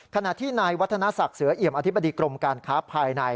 ขณะที่นายวัฒนศักดิ์เสือเอี่ยมอธิบดีกรมการค้าภายใน